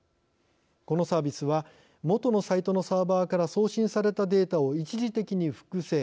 このサービスは元のサイトのサーバーから送信されたデータを一時的に複製。